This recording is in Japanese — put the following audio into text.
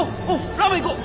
ラーメン行こう！